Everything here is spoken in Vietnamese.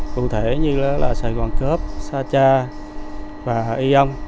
cụ thể như là sài gòn cớp sa cha và y âm